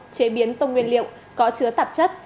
chế biến tông nguyên liệu có chứa tạp chất